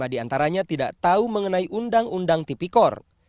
lima diantaranya tidak tahu mengenai undang undang tipikor